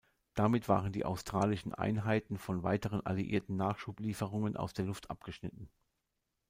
Damit waren die australischen Einheiten von weiteren alliierten Nachschublieferungen aus der Luft abgeschnitten.